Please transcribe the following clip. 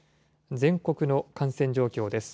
全国の感染状況です。